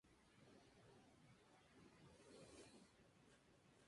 Periodista de la Universidad Católica.